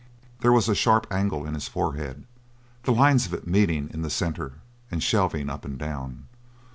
There was a sharp angle in his forehead, the lines of it meeting in the centre and shelving up and down.